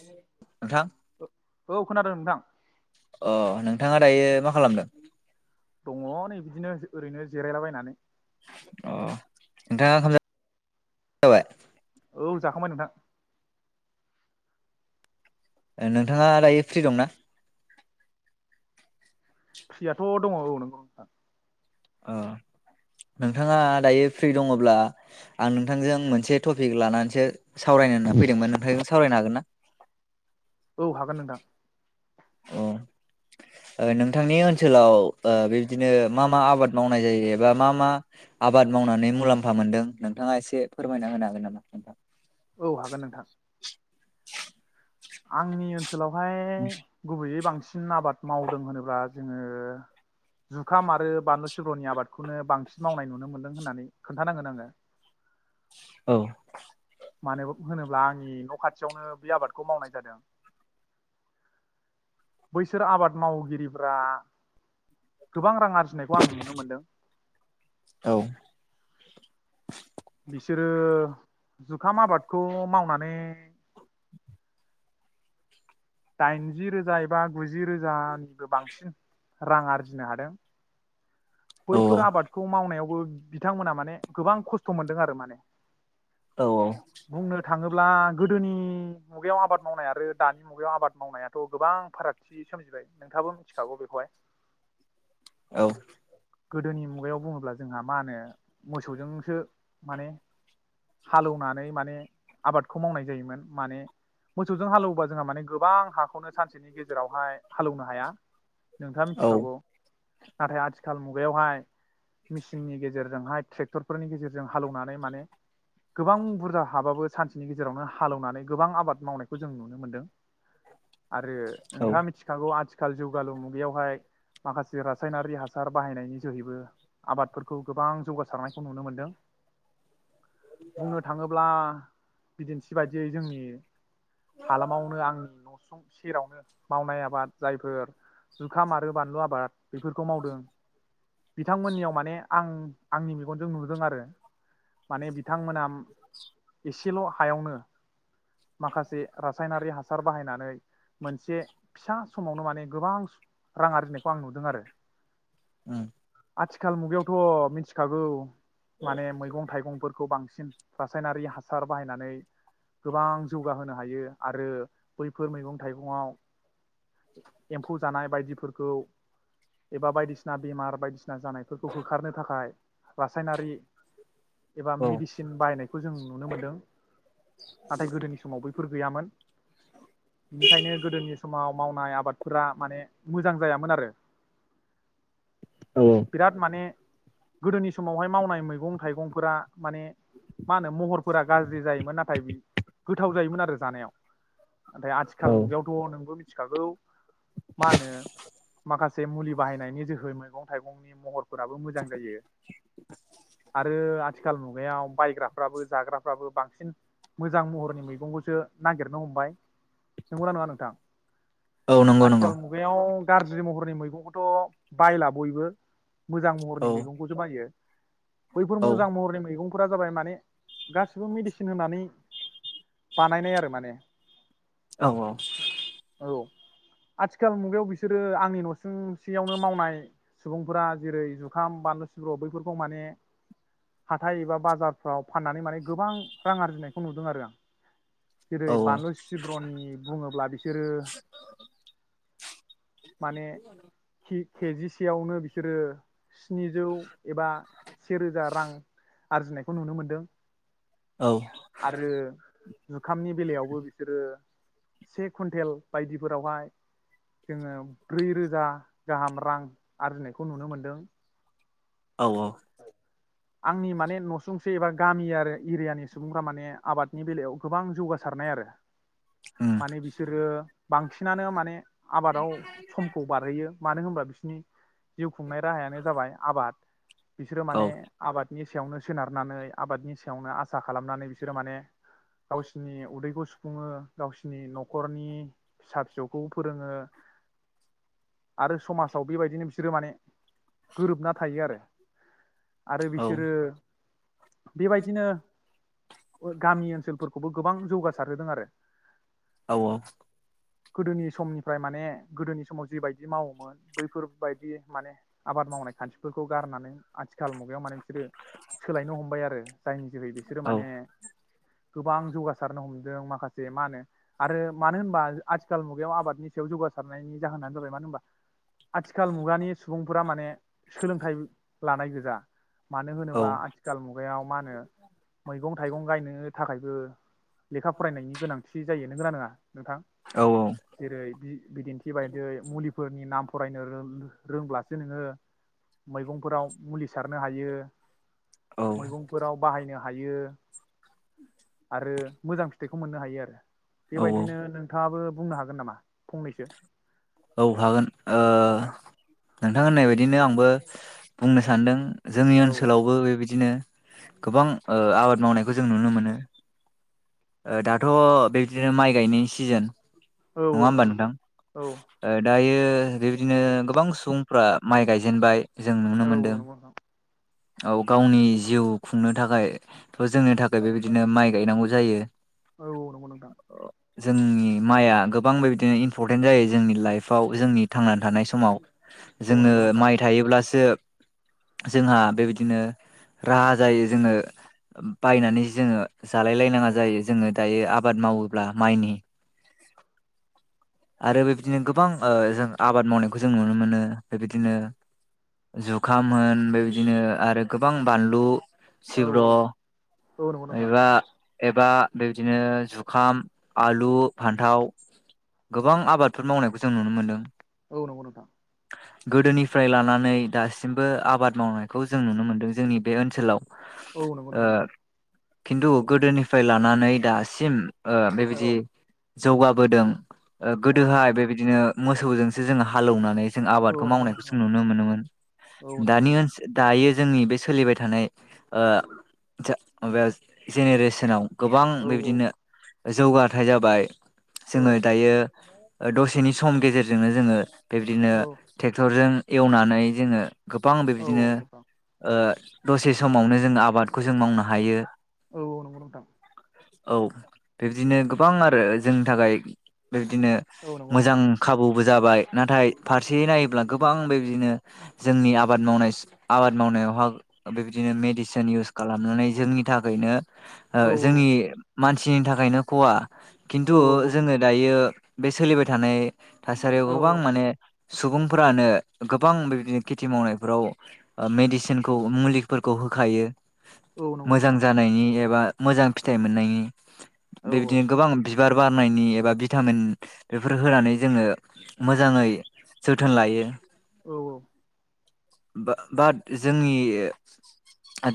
नोंथां औ खोनादों नोंथां अ नोंथाङा दायो मा खालामदों? दङ नै बिदिनो ओरैनो जिरायलाबायनानै अ नोंथाङा [unintelligible] औ जाखांबाय नोंथां नोंथाङा दायो फ्रि दंना फ्रियाथ' दङ औ नंगौ नोंथां अ नोंथाङा दायो फ्रि दङब्ला आं नोंथांजों मोनसे टपिक लानानैसो सावरायनो फैदोंमोन नोंथांजों सावरायनो हागोन ना औ हागोन नोंथां अ नोंथांनि ओनसोलाव बेबिदिनो मा मा आबाद मावनाय जायो एबा मा मा आबाद मावनानै मुलाम्फा मोनदों नोंथाङा एसे फोरमायना होनो हागोन नामा नोंथां। औ हागोन नोंथां आंनि ओनसोलावहाय गुबैयै बांसिन आबाद मावदों होनोब्ला जोङो जुखाम आरो बानलु सिब्र'नि आबादखौनो बांसिन मावनाय नुनो मोन्दों होननानै खोन्थानांगोन आङो औ मानो होनोब्ला आंनि न' खाथि खाथियावनो बे आबादखौ मावनाय जादों बैसोर आबाद मावगिरिफ्रा गोबां रां [unintelligible] बुंनायखौ आं नुनो मोनदों औ बिसोरो जुखाम आबादखौ मावनानै दाइनजि रोजा एबा गुजि रोजा नि बांसिन रां आरजिनो हादों औ बैफोर आबादखौ मावनायावबो बिथांमोना माने गोबां खस्थ' मोनदों आरो माने औ औ बुंनो थाङोब्ला गोदोनि मुगायाव आबाद मावनाय आरो दानि मुगायाव आबाद मावनायाथ' गोबां फारागथि सोमजिबाय नोंथाङाबो मिथिखागौ बेखौहाय औ गोदोनि मुगायाव बुङोब्ला जोंहा मा होनो मोसौजोंसो माने हालौवनानै माने आबादखौ मावनाय जायोमोन माने मोसौजों हालौवबा जोंहा माने गोबां हाखौनो सानसेनि गेजेरावहाय हालौनो हाया नोंथाङा मिथिखागौ नाथाय आथिखाल मु बेयावहाय मेसिननि गेजेरजोंहाय ट्रेक्टरफोरनि गेजेरजों हालौवनानै माने गोबां बुरजा हाबाबो सानसेनि गेजेरावनो हालेवनानै गोबां आबाद मावनायखौ जों नुनो मोन्दों आरो औ नोंथाङा मिथिखागौ आथिखाल आथिखाल जौगालु मुगायावहाय माखासे रासायनारि हासार बाहायनायनि जोहैबो आबादफोरखौ गोबां जौगासारनायखौ नुनो मोनदों बुंनो थांङोब्ला बिदिन्थि बायदियै जोंनि हालामाव सेरावनो मावनाय आबाद जायफोर जुखाम आरो बानलु आबाद बेफोरखौ मावदों बिथांमोननियाव माने आं आंनि मेगनजों नुदों आरो माने बिथांमोना एसेल' हायावनो माखासे रासायनारि हास हासार बाहायनानै मोनसे फिसा समावनो माने गोबां रां आरजिनायखौ आं नुदों आरो आथिखाल मुगायावथ' मिथिखागौ माने मैगं थाइगंफोरखौ बांसिन रासायनारि हासार बाहायनानै गोबां जौगाहोनो हायो आरो बैफोर मैगं-थाइगंवाव एम्फौ जानाय बायदिफोरखौ एबा बायदिसिना बेमार बायदिसिना जानायफोरखौ होखारनो थाखाय रासायनारि एबा मेडिसिन बाहायनायखौ जों नुनो मोनदों नाथाय गोदोनि समाव बै फोर गैयामोन बेनिखायनो गोदोनि समाव मावनाय आबादफोरा माने मोजां जायामोन आरो औ बिराद माने गोदोनि समावहाय मावनाय मैगं-थाइगंफोरा माने मा होनो महरफोरा गाज्रि जायोमोन नाथाय गोथाव जायोमोन आरो जानायाव नाथाय आथिखाल औ मुगायावथ नों थिखागौ मा होनो माखासे मुलि बाहायनायनि जोहै मैगं-थाइगंनि महरफोराबो मोजां जायो आरो आथिखाल मुगायाव बायग्राफ्राबो जाग्राफ्राबो बांसिन मोजां महरनि मैगंखौसो नागिरनो हमबाय नंगौना नङा नोंथां? औ नंगौ नंगौ आथिखाल मुगायाव गाज्रि महरनि मैगंखौथ' बायला बयबो मोजां महरनि औ मैगंखौसो बायो बैफोर औ मोजां महरै मैगं फोर जाबाय माने गासिबो मेडिसिन होनानै बानायनाय आरो माने। औ औ। औ आथिखाल मुगायाव बिसोरो आंनि नसिं सेववनो मावनाय सुबुंफोरा जेरै जुखाम बानलु सिब्रु बैफोरखौ माने हाथाइ एबा बाजारफ्राव फाननानै माने गोबां रां आरजिनायखौ नुदों आरो आं। जेरै औ बानलु सि ब्रनि बुङोब्ला बिसोरो माने के-केजिसेयावनो बिसोरो स्निजौ एबा सेेरोजा रां आरजिनायखौ नुनो मोनदों औ आरो जुखामनि बेलायावबो रो से कुइन्टेल बायदिफोरावहाय जोङो ब्रै रोजा गाहाम रां आरजिनाय खौ नुनो मोन्दों। औ औ। आंनि माने नसुंसे एबा गामि आरो एरियानि सुबुंफ्रा माने आबादनि बेलायाव गोबां जौगासारनाय आरो। उम माने बिसोरो बांसिनानो माने आबादाव समखौ बारहोयो मानो होनबा बिसिनि जिउ खुंनाय राहायानो जाबाय आबाद बिसोरो औ माने आबादनि सायावनो सोनारनानै आबादनि सायावनो आसा खालामनानै बिसोरो माने गावसिनि उदैखौ सुफुङो गावसिनि नखरनि फिसा फिसौखौ फोरोङो आरो समाजाव बेबायदिनो बिसोरो माने गोरोबना थायो आरो। आरो औ बिसोरो बेबायदिनो गामि ओनसोलफोरखौबो गोबां जौगासारहोदों आरो औ गोदोनि समनिफ्राय माने गोदोनि समाव जिबायदि मावोमोन बैफोरबायदि माने आबाद मावनाय खान्थिफोरखौ गारनानै आथि खाल मु गायाव माने बिसोरो सोलायनो हमबाय आरो जायनि जोहै बिसोरो औ माने गोबां जौगासारनो हम जों माखासे मा होनो आरो मानो होनबा आथिखाल मुगायाव आबादनि सायाव जौगा सारनायनि जाहोनानो जाबाय मानो होनबा आथिखाल मुगानि सुबुंफोरा माने सोलोंथाइ लानाय गो जा मानो होनोबा आथिखाल मुगायाव मा होनो मैगं थाइगं गायनो थाखाय बो लेखा फरायनायनि गोनांथि जायो। नोंगोना नोंआ? नोंथां जेरै बि-बिदिन्थि बायदियै मुलिफोरनि नाम फरायनो रो-रोंब्लासो नोङो मैगंफोराव मुलि सारनो हायो औ मैगंफोराव बाहायनो हायो आरो मोजां फिथाइखौ मोननो हायो आरो। औ बेबायदिनो नोंथाङाबो बुंनो हागोन नामा फंनैसो? औ हागोन ओ औ नोंथां होननाय बायदिनो आंबो बुंनो सानदों जोंनि औ ओनसोलावबो बेबायदिनो गोबां ओ आबाद मावनायखौ जों नुनो मोनो ओ दाथ' बेदिनो माइ गायनायनि सिजेन। औ औ नंगौ नोंथां औ। ओ दायो बेबायदिनो गोबां सुबुंफ्रा माइ गायजेनबाय। जों नुनो औ मोनदों। नंगौ नोंथां औ गावनि जिउ खुंनो थाखायथ' जोंनि थाखाय बेबायदिनो माइ गायनांगौ जायो। औ नोंगौ नोथां। जोंनि माइआ गोबां बेबायदिनो इम्परटेन्ट जायो जोंनि लाइफआव जोंनि थांनानै थानाय समाव औ जोङो नंगौ नोंथां माइ थायोब्लासो जोंहा बेबायदिनो राहा जायो जोङो बायनानै जोङो जालाय लायनाङा जायो जोङो दायो आबाद मावोब्ला माइनि आरो बेबायदिनो गोबां ओ जों आबाद मावनायखौ जों नुनो मोनो बेबायदिनो जुखाम होन बेबादि दिनो आरो गोबां बानलु औ सिब्र' औ नंगौ नोंथां एबा एबा बेबादिनो जुखाम आलु फान्थाव गोबां आबादफोर मावनायखौ जों नुनो मोनदों। औ नोंगौ नोंथां। गोदोनिफ्राय लानानै दासिमबो आबाद मावनाय खौ जों नुनो मोन्दों जोंनि बे ओनसोलाव। औ नौंगौ ओ नोंगौ नोंथां। खिन्थु गोदोनिफ्राय लानानै दासिम ओ बेबायदि औ जौगाबोदों। ओ औ गोदोहाय बेबादिनो मोसौजोंसो जोङो हालौवनानै जों आबादखौ औ नंगौ मावनायखौ नोंथां जों नुनो मोनोमोन औ नंगौ दानि नोंथां ओनसोल दायो जोंनि बे सोलिबाय थानाय ओ जो बा जेनेरेसनाव गोबां औ बेबादिनो जौगाथाय जाबाय औ जोङो दायो। ओ दसेनि सम गेजेरजोंनो जोङो बेबादिनो औ टेक्टरजों एवनानै जोङो गोबां औ बिदिनो औ नंगौ नोंथां ओ दसे समावनो जोंङो आबादखौ जों मावनो हायो। औ औ नोंगौ नोंथा औ बेबिदिनो गोबां आरो जोंनि थाखाय बेबिदिनो औ नंगौ मोजां नोंथां खाबु बो जाबाय नाथाय फारसेयै नायोब्ला गोबां बेबिदिनो जोंनि आबाद मावनाय आबाद मावनायावहा बेबिदिनो मेडिसिन इउस खालामनानै जोंनि थाखैयनो ओ औ जोंनि मानसिनि थाखायनो खवा औ खिन्थु जोङो दायो बे सोलिबाय थानाय थासारियाव औ गोबां माने सुबुंफोरानो गोबां बेबिदिनो खेथि मावनायफोराव ओ मेडिसिनखौ मुलिफोरखौ होखायो। औ नंगौ मोजां नोंथां जानायनि एबा मोजां फिथाइ औ मोननायनि बेबिदिनो गोबां बिबार बारनायनि एबा भिटामिन बेफोर होनानै जोङो मोजाङै जोथोन लायो। औ बा बाद जोंनि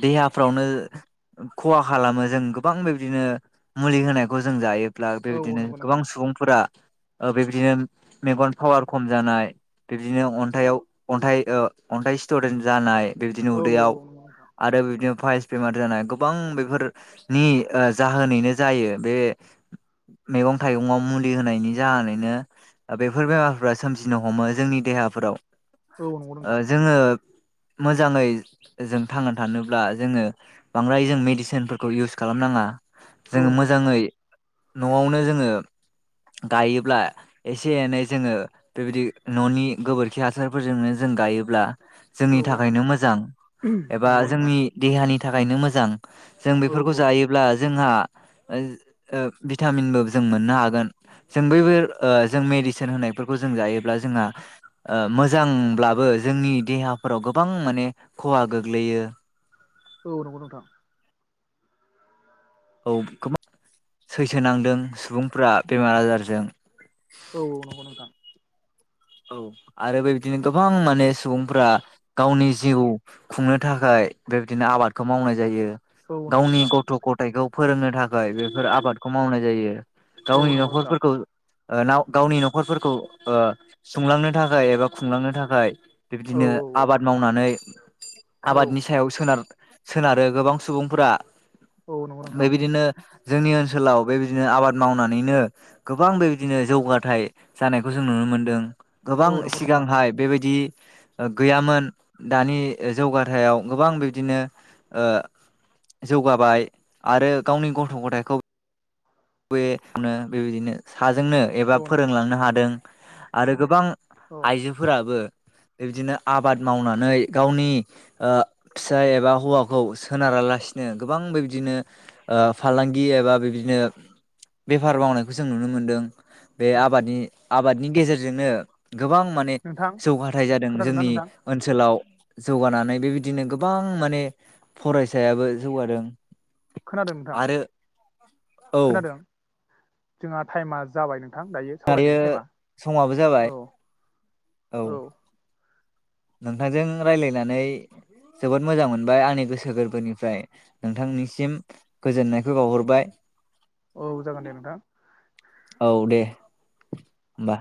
देहाफ्रावनो खहा खालामो जों गोबां बेबिदिनो मुलि होनायखौ जों जायो। ब्ला औ बेबायदिनो नंगौ गोबां नोंथां सुबुंफोरा ओ बेबिदिनो मेगन पावार खम जानाय बेबिदिनो अन्थायाव अन्थाइ ओ अन्थाइ स्टडेन्ट जानाय बेबिदिनो औ औ उदैयाव औ नंगौ नोंथां आरो बिदिनो पाइलस बेमार जानाय गोबां बेफोरनि जाहोनैनो जायो बे मैगं थाइगंयाव मुलि होनायनि जाहोनैनो बेफोर बेमारफोरा सोमजिनो हमो जोंनि देहाफोराव ओ औ नंगौ नोंथां जोङो मोजाङै जों थांना थानोब्ला जोङो बांद्राय जों मेडिसिनफोरखौ इउस खालामनाङा औ जोङो नंगौ नोंथां मोजाङै न'आवनो जोङो गायोब्ला एसे एनै जोङो बेबायदि न'नि गोबोरखि हासारफोरजोंनो जों गायोब्ला औ जोंनि औ नंगौ थाखायनो नोंथां मोजां एबा नंगौ नोंथां जोंनि देहानि नि थाखायनो मोजां जों औ बेफोरखौ जायोब्ला ओ भिटामिनबो जों मोननो हागोन जों बैफोर जों मेदिसिन होनायफोरखौ जों जायोब्ला जोंहा मोजांब्लाबो जोंनि देहा फोराव गोबां माने खहा गोग्लैयो औ नंगौ नोंथां औ गोमा सैसोनांदों सुबुंफ्रा बेमार आजारजों। औ नंगौ नोंथां। औ आरो बे बिदिनो गोबां माने सुबुंफोरा गावनि जिउ खुंनो थाखाय बे बिदिनो आबादखौ मावनाय जायो औ नंगौ गावनि नोंथां गथ' गथाइखौ फोरोंनो थाखाय बेफोर आबादखौ मावनाय जायो। औ गावनि नंगौ नोंथां न'खरफोरखौ ओ नाव गावनि न'खरफोरखौ ओ सुंलांनो थाखाय एबा खुंलांनो थाखाय औ बिबदिनो आबाद मावनानै औ आबादनि सायाव सोनार सोनारो गोबां सुबुंफोरा औ नंगौ नै नोंथां बिदिनो जोंनि ओनसोलाव बे बिदिनो आबाद मावनानैनो गोबां बे बिदिनो जौगाथाइ जानायखौ जों नुनो मोनदों। औ गोबां नंगौ नोंथां सिगांहाय बेबायदि ओ गैयामोन दानि ओ जौगाथायाव गोबां बिबदिनो ओ जौगाबाय आरो गावनि गथ' गथायखौ बे नो बे बिदिनो हाजोंनो एबा औ नंगौ नोंथां फोरोंलांनो हादों। आरो गोबां औ आइजोफोराबो बे बिदिनो आबाद मावनानै गावनि ओ फिसाइ एबा हौवाखौ सोनारालासिनो गोबां बे बिदिनो ओ फालांगि एबा बे बिदिनो बेफार मावनायखौ जों नुनो मोनदों। बे औ आबादनि आबाद नि गेजेरजोंनो गोबां माने नोंथां जौगाथाय जादों खोनादोंना जोंनि नोंथां ओनसोलाव। जौगानानै बेबायदिनो गोबां माने फरायसायाबो जौगादों। खोनादों नोंथां आरो औ खोनादों। जोंहा टाइमा जाबाय नों थां दायो सावरायनायनि टाइमा समाबो जाबाय औ अ औ नोंथांजों रायलायनानै जोबोद मोजां मोनबाय आंनि गोसो गोरबोनिफ्राय नोंथांनिसिम गोजोननायखौ बावहरबाय। औ जागोन दे नोंथां। औ दे होनबा